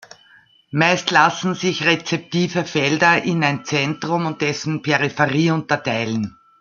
Meist lassen sich rezeptive Felder in ein Zentrum und dessen Peripherie unterteilen.